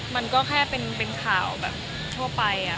มันก็แค่เป็นข่าวแบบทั่วไป